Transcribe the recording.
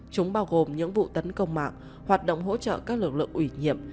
chúng bao gồm những vụ tấn công mạng hoạt động hỗ trợ các lực lượng ủy nhiệm